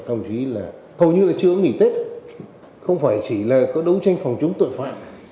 công chí là hầu như chưa có nghỉ tết không phải chỉ là có đấu tranh phòng chống tội phạm